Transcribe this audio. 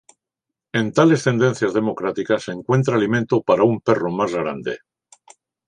En tales tendencias democráticas se encuentra alimento para un perro más grande.